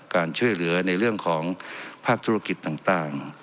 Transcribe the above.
การช่วยเหลือในเรื่องของภาคธุรกิจต่าง